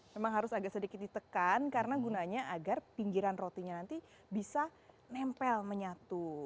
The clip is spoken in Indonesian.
memang harus agak sedikit ditekan karena gunanya agar pinggiran rotinya nanti bisa nempel menyatu